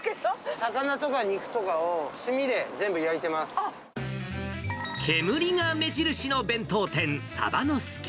魚とか肉とかを炭で全部焼い煙が目印の弁当店、鯖の助。